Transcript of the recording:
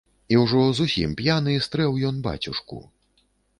І ўжо зусім п'яны стрэў ён бацюшку.